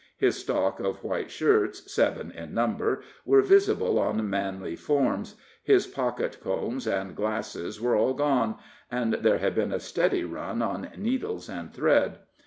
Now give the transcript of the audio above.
His stock of white shirts, seven in number, were visible on manly forms; his pocket combs and glasses were all gone; and there had been a steady run on needles and thread.